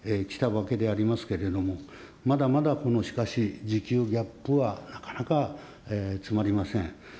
わけでありますけれども、まだまだこのしかし需給ギャップはなかなか詰まりません。